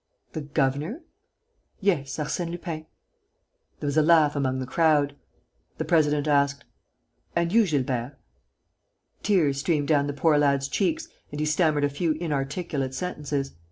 "The governor?" "Yes, Arsène Lupin." There was a laugh among the crowd. The president asked: "And you, Gilbert?" Tears streamed down the poor lad's cheeks and he stammered a few inarticulate sentences.